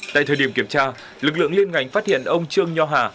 tại thời điểm kiểm tra lực lượng liên ngành phát hiện ông trương nho hà